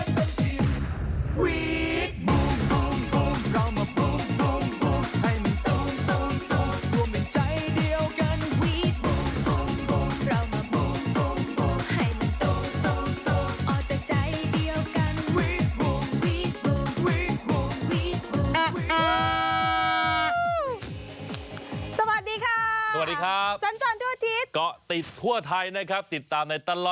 วีดโบ้งโบ้งโบ้งเรามาโบ้งโบ้งโบ้งให้มันโตโตโต